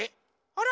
あら？